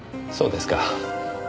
そうですか。